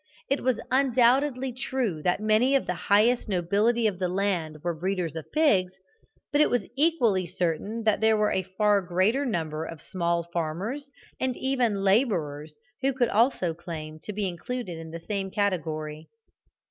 It was undoubtedly true that many of the highest nobility of the land were breeders of pigs, but it was equally certain that there were a far greater number of small farmers and even labourers who could also claim to be included in the same category.